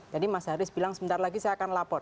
jadi mas haris bilang sebentar lagi saya akan lapor